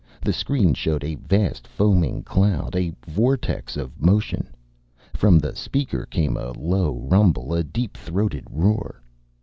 The screen showed a vast foaming cloud, a vortex of motion. From the speaker came a low rumble, a deep throated roar.